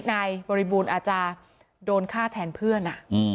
นายบริบูรณ์อาจจะโดนฆ่าแทนเพื่อน